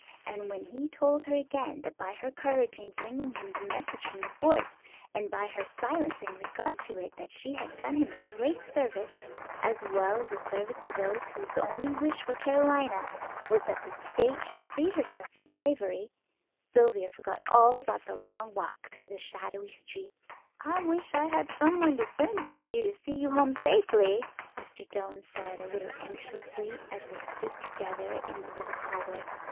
And when he told her again that by her courage in bringing him the message from the fort, and by her silence in regard to it, that she had done him a great service, as well as a service to those whose only wish for South Carolina was that the State should free herself from slavery, Sylvia forgot all about the long walk through the shadowy streets. "I wish I had someone to send with you to see you home safely," Mr. Doane said, a little anxiously, as they stood together in the little hallway.